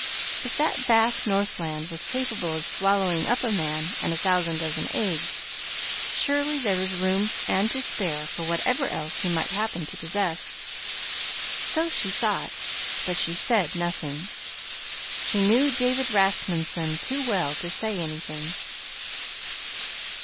If that vast Northland was capable of swallowing up a man and a thousand dozen eggs, surely there was room and to spare for whatever else he might happen to possess. So she thought, but she said nothing. She knew David Rasmunsen too well to say anything.